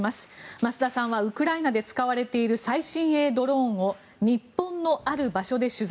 増田さんはウクライナで使われている最新鋭ドローンを日本のある場所で取材。